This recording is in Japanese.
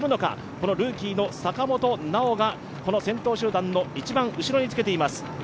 このルーキーの坂本奈穂が先頭集団の後ろにつけています。